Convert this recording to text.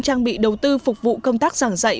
trang bị đầu tư phục vụ công tác giảng dạy